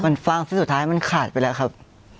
มันฟางที่สุดท้ายมันขาดไปแล้วครับ